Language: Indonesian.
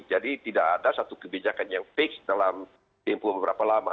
jadi tidak ada satu kebijakan yang fix dalam tempuh beberapa lama